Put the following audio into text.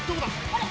あれ？